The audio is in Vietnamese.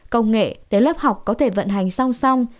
công nghệ để lớp học có thể vận hành song song